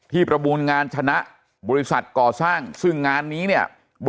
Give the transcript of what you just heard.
ประมูลงานชนะบริษัทก่อสร้างซึ่งงานนี้เนี่ย